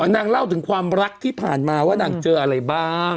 นางเล่าถึงความรักที่ผ่านมาว่านางเจออะไรบ้าง